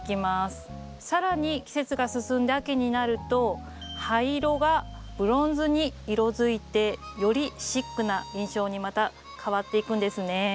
更に季節が進んで秋になると葉色がブロンズに色づいてよりシックな印象にまた変わっていくんですね。